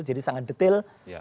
jadi sangat detail